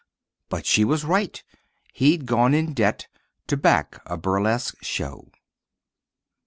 But she was right; he'd gone in debt To "back" a burlesque show.